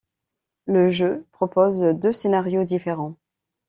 Le jeu propose deux scénarios différents.